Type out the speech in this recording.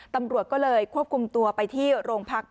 ตำรวจก็เลยควบคุมตัวไปที่โรงพัก